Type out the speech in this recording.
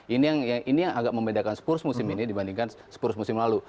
ini yang agak membedakan spurs musim ini dibandingkan spurs musim lalu